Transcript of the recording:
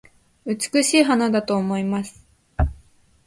美しい花だと思います